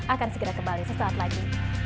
akan segera kembali sesaat lagi